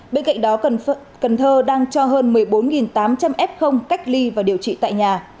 bên cạnh đó cần thơ đang cho hơn một mươi bốn tám trăm linh f cách ly và điều trị tại nhà